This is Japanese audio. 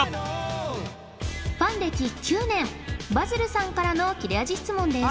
ファン歴９年ばずるさんからの切れ味質問です